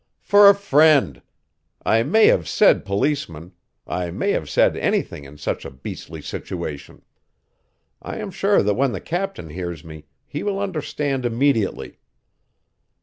"For a friend. I may have said policeman I may have said anything in such a beastly situation. I am sure that when the captain hears me he will understand immediately."